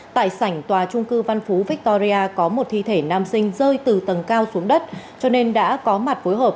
tại sảnh tòa trung cư văn phú victoria có một thi thể nam sinh rơi từ tầng cao xuống đất cho nên đã có mặt phối hợp